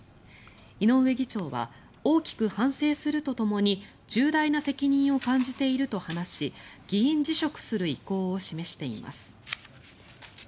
井上議長は大きく反省するとともに重大な責任を感じていると話し議員辞職する意向を示しています。